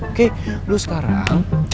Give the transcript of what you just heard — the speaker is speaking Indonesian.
oke lo sekarang